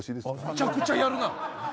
むちゃくちゃやる。